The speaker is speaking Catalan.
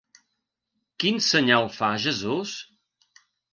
Quin senyal fa Jesús?